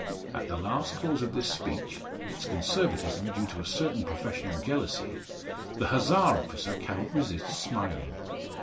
At the last clause of this speech its Conservatism due to a certain professional jealousy the Hussar officer cannot resist smiling.